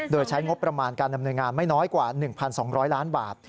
โดยใช้งบประมาณการดำเนินงานไม่น้อยกว่า๑๒๐๐ล้านบาท